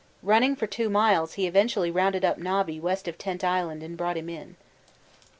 Running for two miles, he eventually rounded up Nobby west of Tent Island and brought him in.